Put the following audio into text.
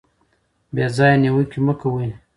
بې ځایه نیوکې مه کوئ.